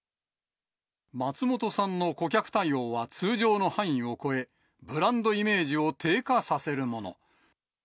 松本さんの顧客対応は通常の範囲を超え、ブランドイメージを低下させるもの。